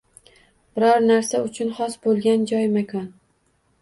Biror narsa uchun xos boʻlgan joy, makon